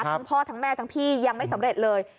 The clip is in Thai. ทั้งพ่อทั้งแม่ทั้งพี่ยังไม่สำเร็จเลย